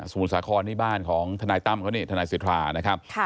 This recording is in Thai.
มุทสาครนี่บ้านของทนายตั้มเขานี่ทนายสิทธานะครับ